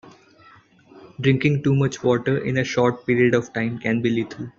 Drinking too much water in a short period of time can be lethal.